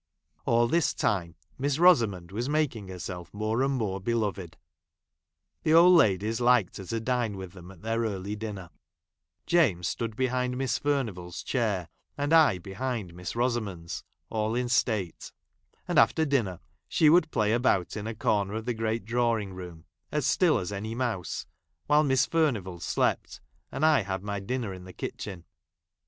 All this time Miss Rosamond was making herself more and more beloved. The old ladies liked her to dine with them at their early dinner ; James stood behind Miss Fumivall's chair, and I behind Miss Rosamond's, all in state ; and, after dinner, she would play about in a corner of the great drawiug room, as still as any mouse, while Miss Furnivall slept, and I l ' had my dinner in the kitchen.